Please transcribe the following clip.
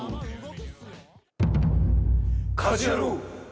『家事ヤロウ！！！』。